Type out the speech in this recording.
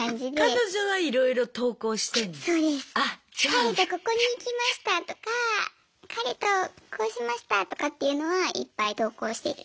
彼とここに行きましたとか彼とこうしましたとかっていうのはいっぱい投稿してて。